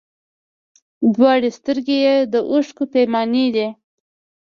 دواړي سترګي یې د اوښکو پیمانې دي